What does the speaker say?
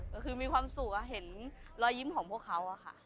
ก็คือมีความสุขเห็นรอยยิ้มของพวกเขาอะค่ะ